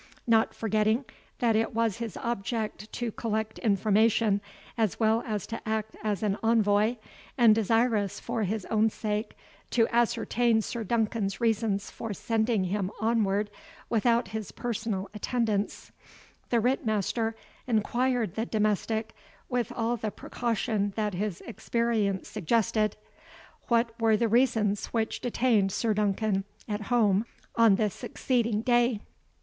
Not forgetting that it was his object to collect information as well as to act as an envoy, and desirous, for his own sake, to ascertain Sir Duncan's reasons for sending him onward without his personal attendance, the Ritt master enquired the domestic, with all the precaution that his experience suggested, what were the reasons which detained Sir Duncan at home on the succeeding day.